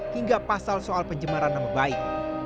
hingga pasal soal pencemaran nama baik